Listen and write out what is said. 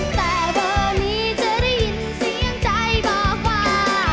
แต่เบอร์นี้จะได้ยินเสียงใจบอกว่า